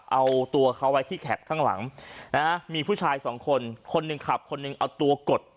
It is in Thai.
เอาตัวเขาไว้ที่แข็บข้างหลังนะฮะมีผู้ชายสองคนคนหนึ่งขับคนหนึ่งเอาตัวกด